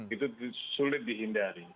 itu sulit dihindari